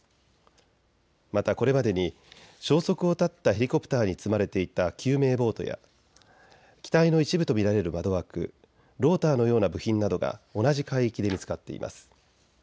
また、これまでに消息を絶ったヘリコプターに積まれていた救命ボートや機体の一部と見られる窓枠、ローターのような部品などが同じ海域で見つかっています。